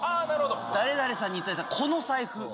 誰々さんに頂いたこの財布。